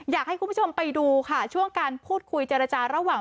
อยากให้คุณผู้ชมไปดูค่ะช่วงการพูดคุยเจรจาระหว่าง